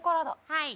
はい。